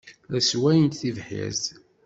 La sswayent tibḥirt.